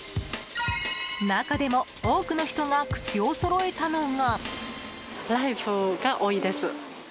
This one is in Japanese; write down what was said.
中でも、多くの人が口をそろえたのが。